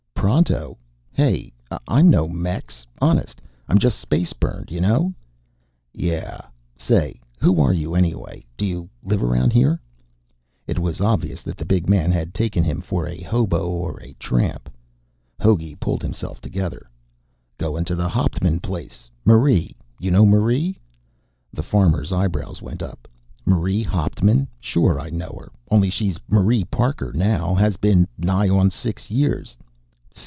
"Pronto? Hey, I'm no Mex. Honest, I'm just space burned. You know?" "Yeah. Say, who are you, anyway? Do you live around here?" It was obvious that the big man had taken him for a hobo or a tramp. Hogey pulled himself together. "Goin' to the Hauptman's place. Marie. You know Marie?" The farmer's eyebrows went up. "Marie Hauptman? Sure I know her. Only she's Marie Parker now. Has been, nigh on six years.